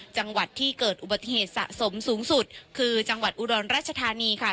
จังหวัดที่เกิดอุบัติเหตุสะสมสูงสุดคือจังหวัดอุบลราชธานีค่ะ